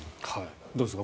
どうですか。